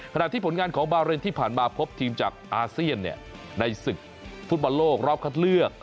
ที่ผลงานของบาเรนที่ผ่านมาพบทีมจากอาเซียนในศึกฟุตบอลโลกรอบคัดเลือก